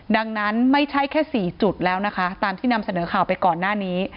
ดังนั้นไม่ใช่แค่๔จุดแล้วนะคะตามที่นำเสนอข่าวไปก่อนหน้านี้